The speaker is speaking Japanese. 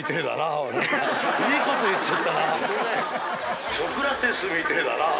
俺良いこと言っちゃったな。